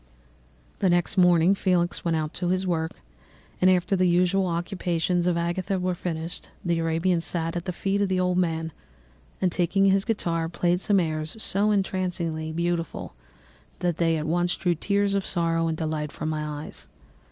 "The next morning Felix went out to his work, and after the usual occupations of Agatha were finished, the Arabian sat at the feet of the old man, and taking his guitar, played some airs so entrancingly beautiful that they at once drew tears of sorrow and delight from my eyes.